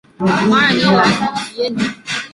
马尔尼莱孔皮耶尼。